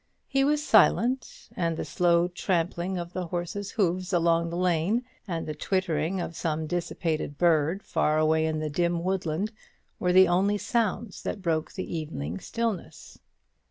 He was silent; and the slow trampling of the horses' hoofs along the lane, and the twittering of some dissipated bird far away in the dim woodland, were the only sounds that broke the evening stillness.